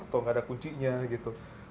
atau nggak ada kuncinya gitu